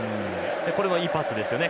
これはいいパスですよね。